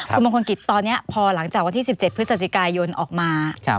คุณมงคลกิจตอนนี้พอหลังจากวันที่๑๗พฤศจิกายนออกมา